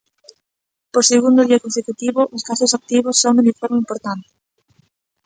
Por segundo día consecutivo, os casos activos soben de forma importante.